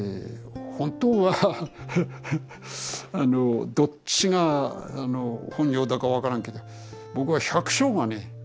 本当はあのどっちが本業だか分からんけど僕は百姓がね